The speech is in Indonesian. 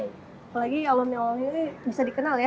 apalagi alun alun ini bisa dikenal ya